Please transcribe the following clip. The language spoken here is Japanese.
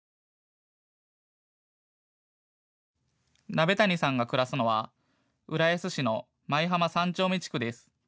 鍋谷さんが暮らすのは浦安市の舞浜三丁目地区です。